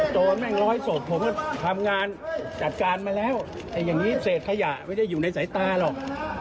โจรแม่งร้อยศพผมก็ทำงานจัดการมาแล้วอย่างนี้เศษขยะไม่ได้อยู่ในสายตาหรอก